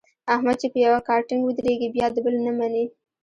احمد چې په یوه کار ټینګ ودرېږي بیا د بل نه مني.